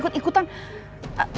pantes aja kak fanny